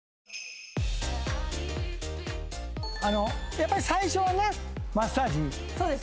やっぱり最初はねマッサージ。